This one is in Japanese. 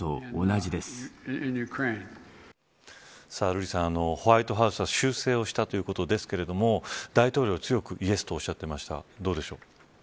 瑠麗さん、ホワイトハウスは修正をしたということですが大統領、強くイエスとおっしゃってました。